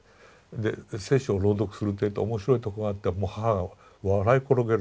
で聖書を朗読するっていうと面白いとこがあったらもう母が笑い転げるんですよ。